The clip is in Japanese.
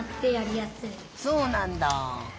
そうなんだ。